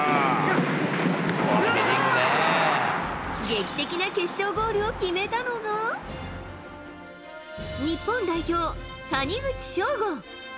劇的な決勝ゴールを決めたのが、日本代表、谷口彰悟。